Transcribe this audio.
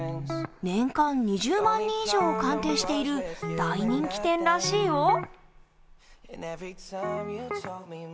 年間２０万人以上鑑定している大人気店らしいよ。